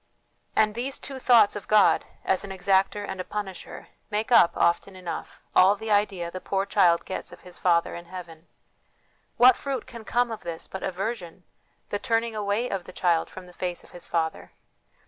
And these two thoughts of God, as an exactor and a punisher, make up, often enough, all the idea the poor child gets of his Father in heaven. What fruit can come of this but aversion, the turning away of the child from the face of his Father?